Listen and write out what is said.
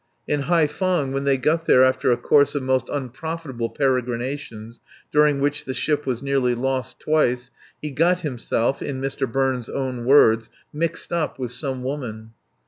In Haiphong, when they got there after a course of most unprofitable peregrinations (during which the ship was nearly lost twice), he got himself, in Mr. Burns' own words, "mixed up" with some woman.